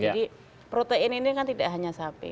jadi protein ini kan tidak hanya sapi